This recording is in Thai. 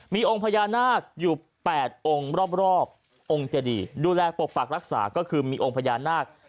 มีองค์พญานาคอยู่๘องค์รอบองค์เจดีดูแลปกปักรักษาก็คือมีองค์พญานาค